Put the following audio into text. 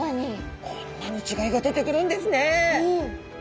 こんなに違いが出てくるんですね。